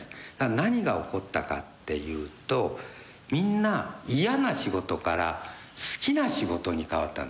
何が起こったかっていうとみんな嫌な仕事から好きな仕事に変わったんです。